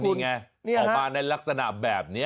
นี่ไงออกมาในลักษณะแบบนี้